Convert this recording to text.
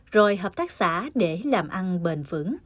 rồi hợp tác xã để làm ăn bền vững